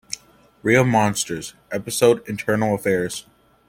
Real Monsters" episode "Internal Affairs".